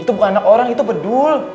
itu bukan anak orang itu bedul